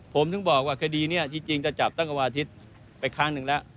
ผมถึงบอกว่าคดีนี้จริงก็จับตั้งแต่วันอาทิตย์ไปครั้งหนึ่งแล้ว